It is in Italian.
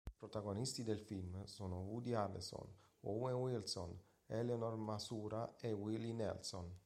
Protagonisti del film sono Woody Harrelson, Owen Wilson, Eleanor Matsuura e Willie Nelson.